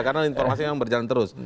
karena informasi yang berjalan terus